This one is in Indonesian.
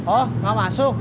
oh gak masuk